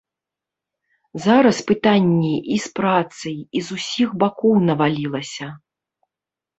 Зараз пытанні і з працай і з усіх бакоў навалілася.